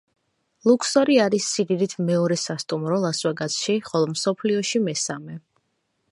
ლუქსორი არის სიდიდით მეორე სასტუმრო ლას-ვეგასში, ხოლო მსოფლიოში მესამე.